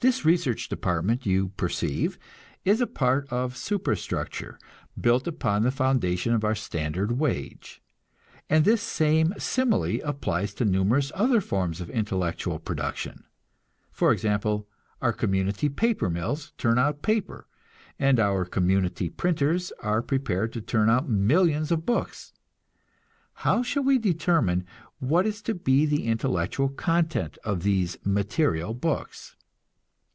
This research department, you perceive, is a sort of superstructure, built upon the foundation of our standard wage; and this same simile applies to numerous other forms of intellectual production. For example, our community paper mills turn out paper, and our community printers are prepared to turn out millions of books. How shall we determine what is to be the intellectual content of these material books?